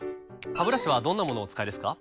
ハブラシはどんなものをお使いですか？